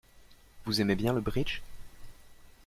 Vous aimez bien le bridge?